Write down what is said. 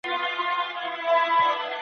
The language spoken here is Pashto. سم نیت هدف نه زیانمنوي.